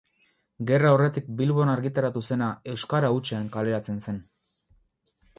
Gerra aurretik Bilbon argitaratu zena euskara hutsean kaleratzen zen.